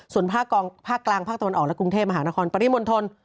ส่วนภาคกรองศ์ภาคกลางศ์ภาคตะวันออกและกรุงเทพฯมหานครปริมณฑล